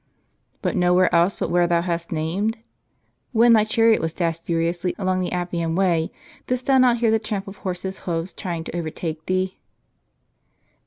" And nowhere else but where thou hast named ? when thy chariot was dashed furiously along the Appian way, didst thou not hear the tramp of horses' hoofs trying to overtake thee